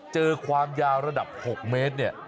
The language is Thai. ความยาวระดับ๖เมตรเนี่ย